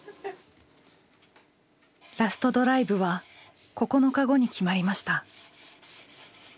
ラストドライブは９日後に決まりました。